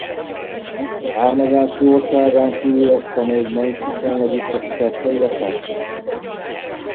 Származási országán kívül ezt a még ma is viszonylag ritka kutyát főleg társként tartják.